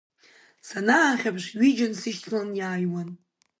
Санаахьаԥш ҩыџьан сышьҭалан иааиуан.